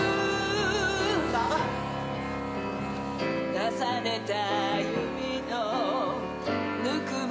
「重ねた腕のぬくもりに」